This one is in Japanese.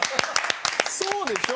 そうでしょ？